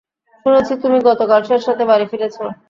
শুনেছি তুমি গতকাল শেষরাতে বাড়ি ফিরেছো।